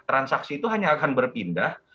transaksi itu hanya akan berpindah